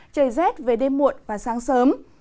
trời rét về đêm muộn và sáng sớm